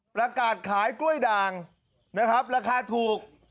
ประกาศขายกล้วยด่างนะครับราคาถูก